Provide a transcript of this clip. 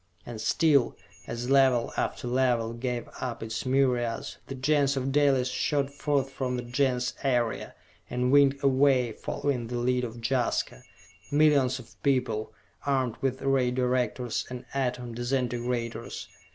And still, as Level after Level gave up its myriads, the Gens of Dalis shot forth from the Gens area, and winged away, following the lead of Jaska. Millions of people, armed with Ray Directors and Atom Disintegrators.